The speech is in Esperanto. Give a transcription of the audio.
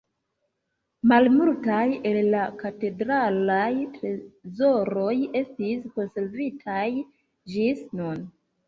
Malmultaj el la katedralaj trezoroj estis konservitaj ĝis nun.